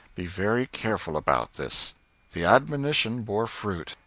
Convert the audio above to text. Be very careful about this." The admonition bore fruit.